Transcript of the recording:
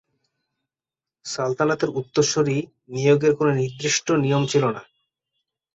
সালতানাতের উত্তরসুরি নিয়োগের কোনো নির্দিষ্ট নিয়ম ছিল না।